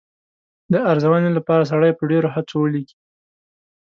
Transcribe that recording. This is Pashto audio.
د ارزونې لپاره سړی په ډېرو هڅو ولیکي.